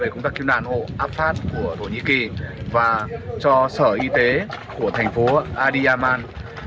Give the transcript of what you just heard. công tác cứu nạn hộ afad của thổ nhĩ kỳ và cho sở y tế của thành phố adiyaman